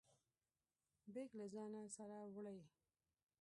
بیګ له ځانه سره وړئ؟